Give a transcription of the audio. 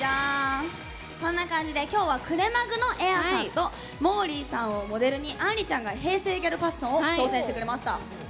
今日は、くれまぐのエアさんともーりーさんをモデルにあんりちゃんが平成ギャルファッションを挑戦してくれました。